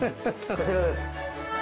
こちらです。